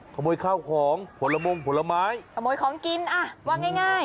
ขโมยข้าวของผลมงผลไม้ขโมยของกินอ่ะว่าง่าย